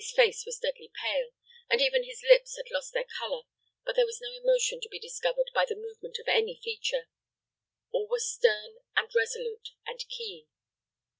His face was deadly pale, and even his lips had lost their color; but there was no emotion to be discovered by the movement of any feature. All was stern, and resolute, and keen.